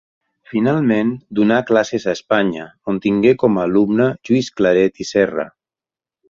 Finalment donà classes a Espanya, on tingué com a alumne Lluís Claret i Serra.